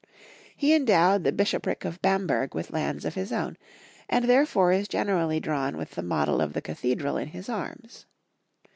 He endowed the Bishopric of Bamberg with lands of his own, and therefore is generally drawn with the model of the cathedral in his arms.